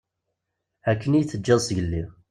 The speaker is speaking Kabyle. Akken iyi-teǧǧiḍ zgelli.